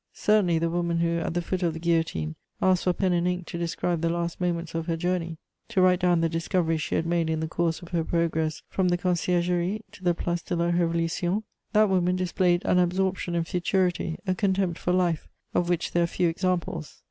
Certainly the woman who, at the foot of the guillotine, asked for pen and ink to describe the last moments of her journey, to write down the discoveries she had made in the course of her progress from the Conciergerie to the Place de la Révolution, that woman displayed an absorption in futurity, a contempt for life, of which there are few examples.